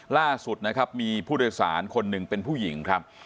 ล่าสุดนะครับมีผู้โดยสารคนหนึ่งเป็นผู้หญิงครับ